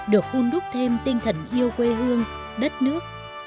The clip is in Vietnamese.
được hôn đúc thêm tinh thần yêu quê hương đất nước